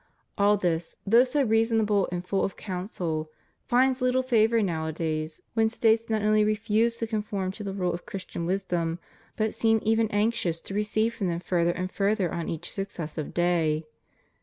All this, though so reasonable and full of counsel, finds little favor nowadays when States not only refuse to conform to the rules of Christian wisdom, but seem even anxious to recede from them further and further on each successive day.